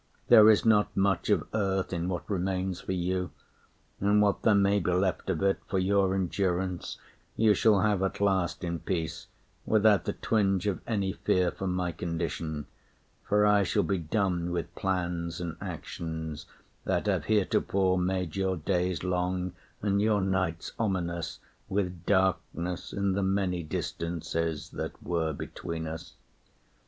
There is not much of earth in what remains For you; and what there may be left of it For your endurance you shall have at last In peace, without the twinge of any fear For my condition; for I shall be done With plans and actions that have heretofore Made your days long and your nights ominous With darkness and the many distances That were between us.